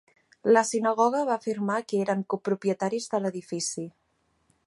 La sinagoga va afirmar que eren copropietaris de l'edifici.